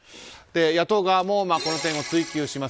野党側もこの点を追及します。